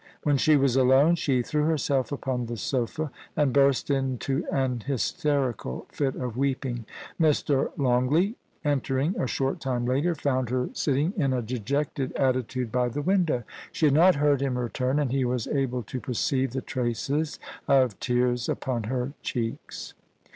When she was alone, she threw herself upon the sofa and burst into an hysterical fit of weeping. Mr. Longleat, entering a short time later, found her sitting FA THER AND DA UGHTER, 1 35 in a dejected attitude by the window. She had not heard him return, and he was able to perceive the traces of tears upon her cheeks.